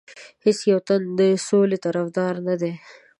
هیڅ یو تن د سولې طرفدار نه دی.